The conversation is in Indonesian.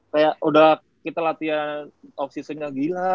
kayak udah kita latihan of seasonnya gila